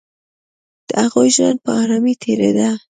د هغوی ژوند په آرامۍ تېرېده